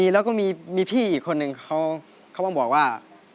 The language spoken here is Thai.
แล้วก็มีพี่อีกคนนึงเขามาบอกว่า